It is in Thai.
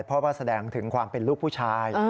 เพราะว่าแสดงถึงความเป็นลูกผู้ชาย